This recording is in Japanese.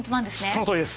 そのとおりです。